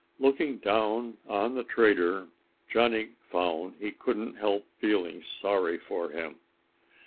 Looking down on the trader, Johnny found he couldn't help feeling sorry for him.